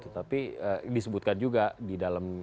tapi disebutkan juga di dalam